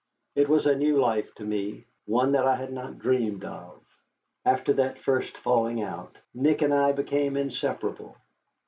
It was a new life to me, one that I had not dreamed of. After that first falling out, Nick and I became inseparable.